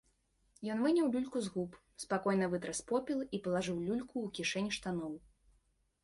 Ён выняў люльку з губ, спакойна вытрас попел і палажыў люльку ў кішэнь штаноў.